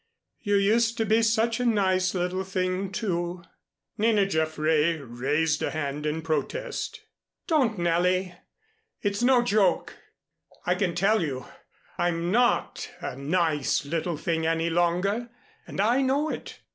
"You used to be such a nice little thing, too." Nina Jaffray raised a hand in protest. "Don't, Nellie, it's no joke, I can tell you. I'm not a nice little thing any longer, and I know it.